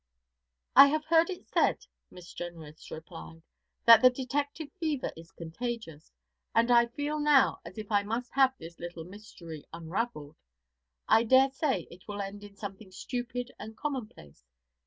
'I have heard it said,' Miss Jenrys replied, 'that the detective fever is contagious, and I feel now as if I must have this little mystery unravelled. I dare say it will end in something stupid and commonplace.